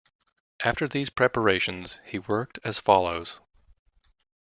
After these preparations he worked as follows.